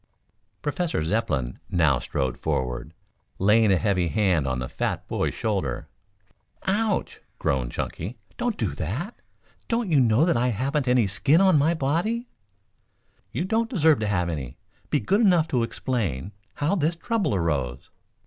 Professor Zepplin now strode forward, laying a heavy hand on the fat boy's shoulder. "Ouch!" groaned Chunky. "Don't do that Don't you know I haven't any skin on my body?" "You don't deserve to have any. Be good enough to explain how this trouble arose?"